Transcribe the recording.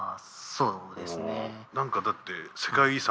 そうですね。